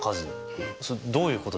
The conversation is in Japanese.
えっどういうこと？